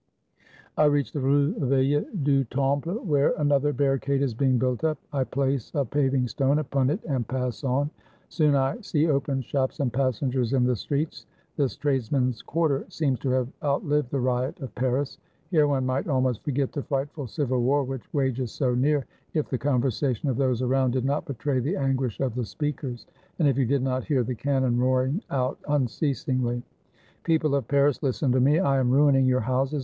I reach the Rue Vieille du Temple, where another barricade is being built up. I place a paving stone upon it and pass on. Soon I see open shops and passengers in the streets. This tradesmen's quarter seems to have outlived the riot of Paris. Here one might almost forget the frightful civil war which wages so near, if the con versation of those around did not betray the anguish of the speakers, and if you did not hear the cannon roaring out unceasingly, "People of Paris, listen to me! I am ruining your houses.